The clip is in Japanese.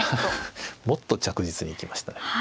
もっと着実に行きましたね。